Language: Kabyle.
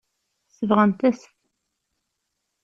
Sebɣent-as-t.